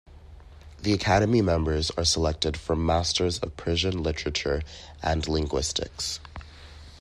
The academy members are selected from masters of Persian literature and linguistics.